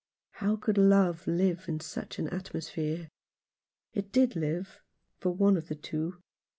How could love live in such an atmo sphere ? It did live, for one of the two.